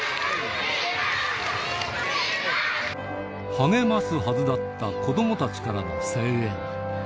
励ますはずだった子どもたちからの声援。